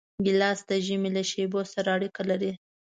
ګیلاس د ژمي له شېبو سره اړیکه لري.